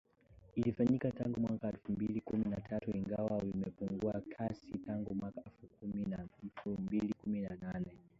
Ilifanyika tangu mwaka elfu mbili kumi na tatu ingawa vimepungua kasi tangu mwaka elfu mbili kumi na nane.